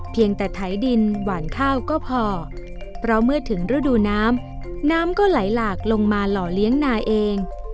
เพียงแต่ไถดินหวานข้าวก็พอเพราะเมื่อถึงฤดูน้ำน้ำก็ไหลหลากลงมาหล่อเลี้ยงนาเอง